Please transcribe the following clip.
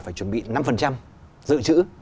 phải chuẩn bị năm dự trữ